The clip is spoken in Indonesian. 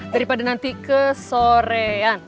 daripada nanti ke sorean